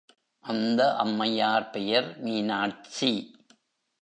அந்த அம்மையார் பெயர் மீனாட்சி.